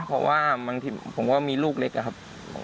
เพราะว่าบางทีผมก็มีลูกเล็กอะครับ